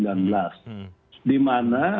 di mana pandemi ini